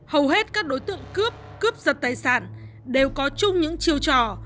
hầu hết các đối tượng cướp cướp giật tài sản đều có chung những chiêu trò